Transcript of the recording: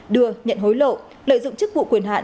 đưa nhận hối lộ lợi dụng chức vụ quyền hạn